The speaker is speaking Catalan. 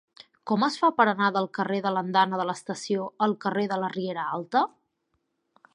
Com es fa per anar del carrer de l'Andana de l'Estació al carrer de la Riera Alta?